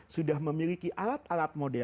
sudah memiliki alat alat modern